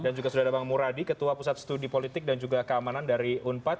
dan juga sudah ada bang muradi ketua pusat studi politik dan juga keamanan dari unpad